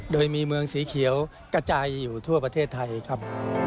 โดยมีเมืองสีเขียวกระจายอยู่ทั่วประเทศไทยครับ